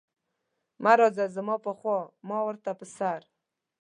مه راځه زما پر خوا ما ورته په سر.